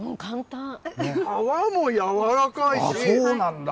皮もやわらかいし。